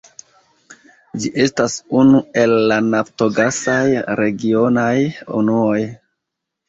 Ĝi estas unu el la naftogasaj regionaj unuoj.